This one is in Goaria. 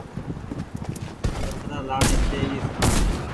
ڪترآ لآڻي ڇي سوڻآ